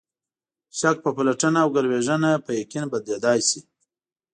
شک په پلټنه او ګروېږنه په یقین بدلېدای شي.